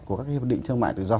của các hiệp định thương mại tự do